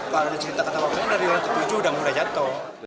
kalau ada cerita kata wakil dari lantai tujuh sudah mulai jatuh